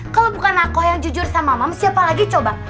kalau bukan nakoh yang jujur sama mama siapa lagi coba